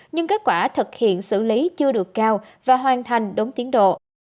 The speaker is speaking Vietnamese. nhưng kết quả thực hiện xử lý chưa được cao và hoàn thành đúng tiến độ